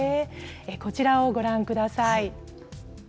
こちらをご覧ください。